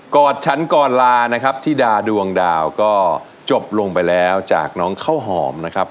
อดฉันก่อนลานะครับธิดาดวงดาวก็จบลงไปแล้วจากน้องข้าวหอมนะครับ